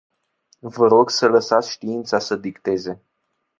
Vă rog să lăsați știința să dicteze.